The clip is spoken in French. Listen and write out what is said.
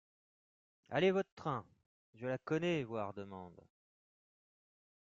Allez votre train ! je la connais voire demande…